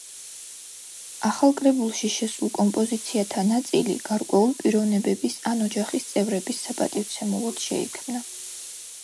ახალ კრებულში შესულ კომპოზიციათა ნაწილი გარკვეულ პიროვნებების ან ოჯახის წევრების საპატივცემულოდ შეიქმნა.